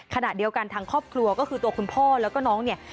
ขณะเดียวกันทางครอบครัวก็คือตัวคุณพ่อแล้วก็น้องเนี่ย